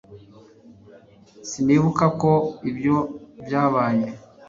sinibuka ko ibyo byabaye